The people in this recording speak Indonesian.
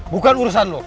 bukan urusan lu